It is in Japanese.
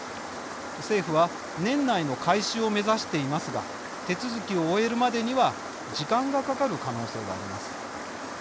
政府は年内の開始を目指していますが手続きを終えるまでには時間がかかる可能性があります。